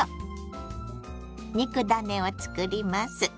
肉ダネを作ります。